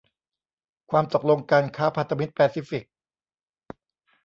ความตกลงการค้าพันธมิตรแปซิฟิก